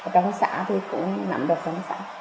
trong xã thì cũng nắm được phóng xã